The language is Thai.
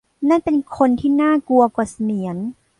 นั่นเป็นคนที่น่ากลัวกว่าเสมียน